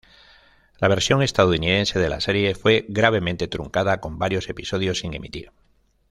La versión estadounidense de la serie, fue gravemente truncada, con varios episodios sin emitir.